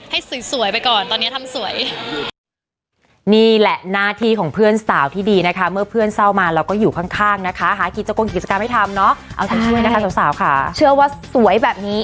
ให้สวยไปก่อนตอนนี้ทำสวย